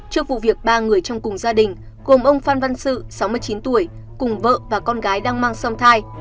trước vụ việc ba người trong cùng gia đình gồm ông phan văn sự sáu mươi chín tuổi cùng vợ và con gái đang mang sông thai